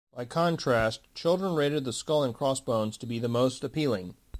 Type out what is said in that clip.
By contrast, children rated the skull-and-crossbones to be the most appealing.